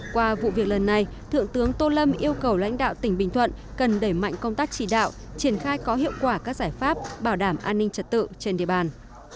qua vụ việc lần này thượng tướng tô lâm yêu cầu lãnh đạo tỉnh bình thuận cần đẩy mạnh công tác chỉ đạo triển khai có hiệu quả các giải pháp bảo đảm an ninh trật tự trên địa bàn